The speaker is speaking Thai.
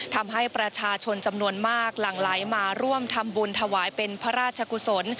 ทำให้ประชาชนจำนวนมากหลั่งไหลมาร่วมทำบุญถวายเป็นพระราชกุศล